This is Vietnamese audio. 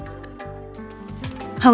lẩu cháo hầu